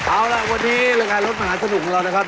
เอาล่ะวันนี้รายการรถมหาสนุกของเรานะครับ